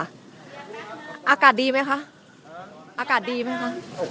อากาศดีไหมคะอากาศดีไหมคะ